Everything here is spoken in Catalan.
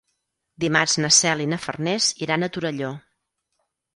Dimarts na Cel i na Farners iran a Torelló.